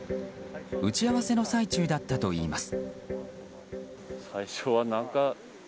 打ち合わせの最中だったといいます。